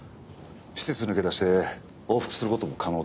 施設抜け出して往復する事も可能です。